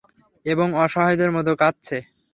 এবং অসহায়দের মতো কাঁদছে।